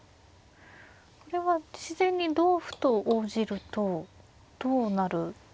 これは自然に同歩と応じるとどうなるんですか？